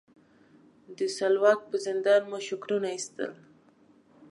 د سلواک په زندان مو شکرونه ایستل.